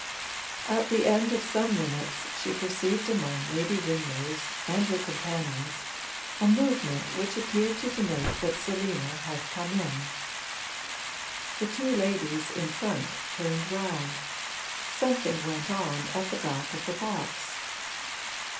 At the end of some minutes she perceived among Lady Ringrose and her companions a movement which appeared to denote that Selina had come in. The two ladies in front turned round something went on at the back of the box.